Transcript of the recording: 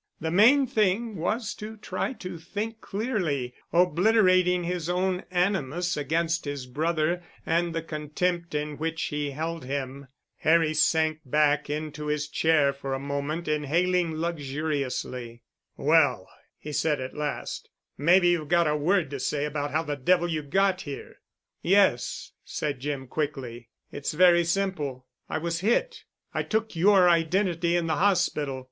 The main thing was to try to think clearly, obliterating his own animus against his brother and the contempt in which he held him. Harry sank back into his chair for a moment, inhaling luxuriously. "Well," he said at last, "maybe you've got a word to say about how the devil you got here." "Yes," said Jim quickly. "It's very simple. I was hit. I took your identity in the hospital.